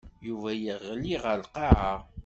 Yuba yeɣli ɣer lqaɛa.